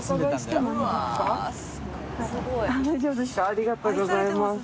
ありがとうございます。